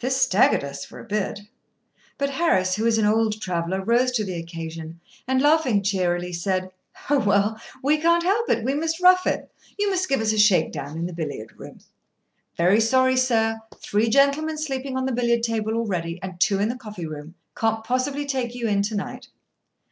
This staggered us for a bit. But Harris, who is an old traveller, rose to the occasion, and, laughing cheerily, said: "Oh, well, we can't help it. We must rough it. You must give us a shake down in the billiard room." "Very sorry, sir. Three gentlemen sleeping on the billiard table already, and two in the coffee room. Can't possibly take you in to night."